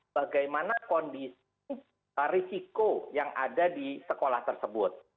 bagaimana kondisi risiko yang ada di sekolah tersebut